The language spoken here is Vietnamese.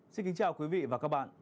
xin kính chào quý vị và các bạn